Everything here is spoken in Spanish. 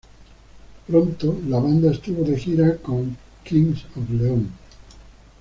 Pronto la banda estuvo de gira con Kings of Leon.